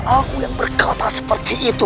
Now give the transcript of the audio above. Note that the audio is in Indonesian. baiklah kita tunggu malam semakin lama